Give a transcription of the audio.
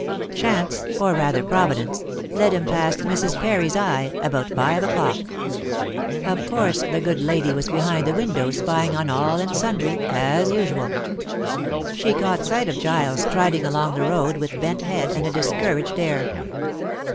Chance, or rather Providence, led him past "Mrs. Parry's Eye" about five o'clock. Of course, the good lady was behind the window spying on all and sundry, as usual. She caught sight of Giles striding along the road with bent head and a discouraged air.